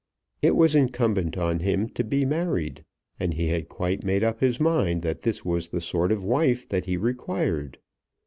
It was incumbent on him to be married, and he had quite made up his mind that this was the sort of wife that he required.